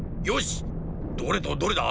どれとどれだ？